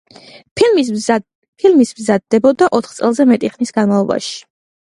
ფილმის მზადდებოდა ოთხ წელზე მეტი ხნის განმავლობაში.